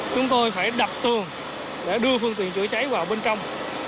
chúng tôi phải đặt tường để đưa phương tiện chữa cháy vào bên trong